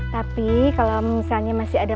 tapi kalau misalnya masih ada makanan yang masih ada